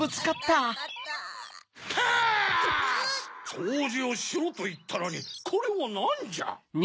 そうじをしろといったのにこれはなんじゃ。